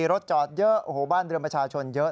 รถจอดเยอะโอ้โหบ้านเรือนประชาชนเยอะ